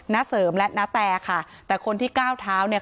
ณเสริมและนาแตค่ะแต่คนที่ก้าวเท้าเนี่ย